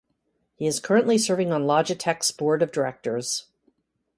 He is currently serving on Logitech's Board of Directors.